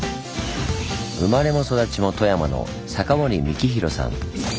生まれも育ちも富山の坂森幹浩さん。